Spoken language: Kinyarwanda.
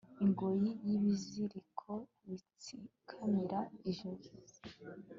ingoyi n'ibiziriko bitsikamira ijosi